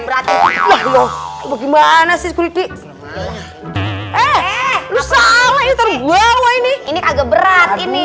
berarti bagaimana sih kulitnya eh lu salah itu gua ini ini agak berat ini